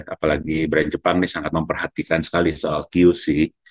apalagi brand jepang ini sangat memperhatikan sekali soal qc